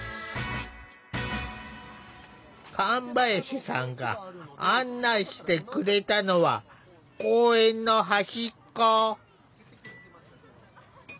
神林さんが案内してくれたのは公園の端っこ。